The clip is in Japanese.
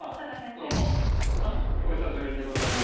どうもお久しぶりでございます。